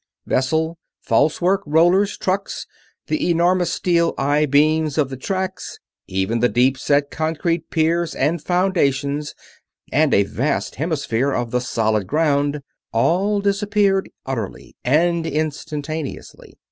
Vessel, falsework, rollers, trucks, the enormous steel I beams of the tracks, even the deep set concrete piers and foundations and a vast hemisphere of the solid ground; all disappeared utterly and instantaneously.